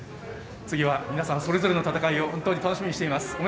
次は皆さんそれぞれの戦いを本当に楽しみにしています。